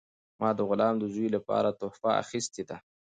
ما د غلام د زوی لپاره تحفه اخیستې ده.